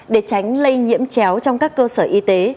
để tránh lây nhiễm chéo trong các cơ sở y tế